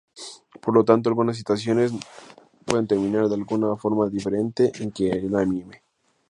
Por lo tanto, algunas situaciones pueden terminar de forma diferente que en el anime.